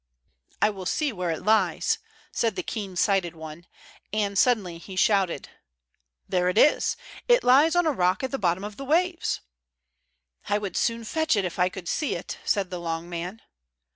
"I will see where it lies," said the keen sighted one; and suddenly he shouted: "There it is; it lies on a rock at the bottom of the waves!" "I would soon fetch it, if I could see it," said the long man.